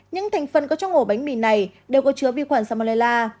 những thành phần có trong ngộ bánh mì này đều có chứa vi khuẩn salmonella